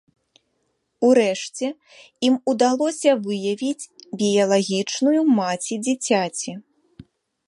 У рэшце ім удалося выявіць біялагічную маці дзіцяці.